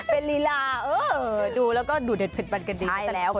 เป็นลีลาดูแล้วก็ดูเด็ดผิดปันกันดี